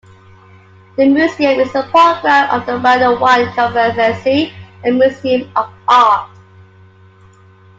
The museum is a program of the Brandywine Conservancy and Museum of Art.